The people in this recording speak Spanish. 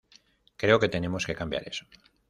Creo que tenemos que cambiar eso".